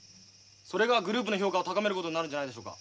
それがグループの評価を高めることになるんじゃないでしょうか。